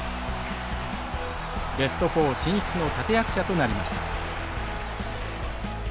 ベスト４進出の立て役者となりました。